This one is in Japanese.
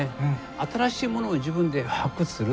新しいものを自分で発掘する。